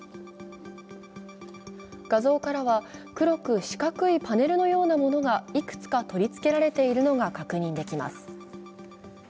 画像からは黒く四角いパネルのようなものがいくつか取り付けられているのが確認できます。